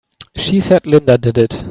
She said Linda did it!